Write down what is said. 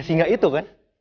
sehingga itu kan